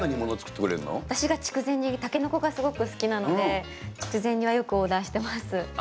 私がたけのこがすごく好きなので筑前煮はよくオーダーしてます。